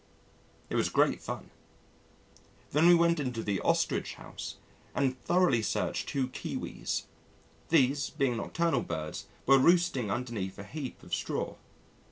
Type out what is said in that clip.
It was great fun. Then we went into the Ostrich House and thoroughly searched two Kiwis. These, being nocturnal birds, were roosting underneath a heap of straw.